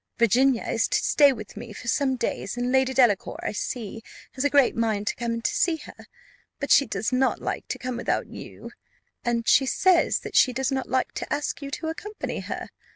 Virginia is to stay with me for some days; and Lady Delacour, I see, has a great mind to come to see her; but she does not like to come without you, and she says that she does not like to ask you to accompany her.